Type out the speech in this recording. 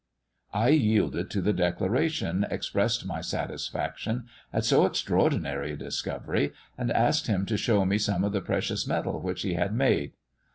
"I yielded to the declaration, expressed my satisfaction at so extraordinary a discovery, and asked him to show me some of the precious metal which he had made."